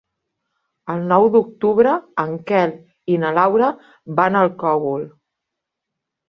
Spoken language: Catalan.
El nou d'octubre en Quel i na Laura van al Cogul.